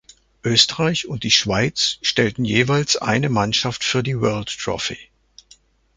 Österreich und die Schweiz stellten jeweils eine Mannschaft für die World Trophy.